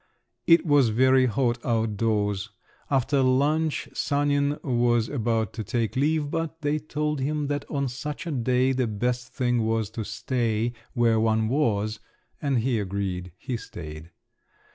It was very hot out of doors; after lunch Sanin was about to take leave, but they told him that on such a day the best thing was to stay where one was, and he agreed; he stayed.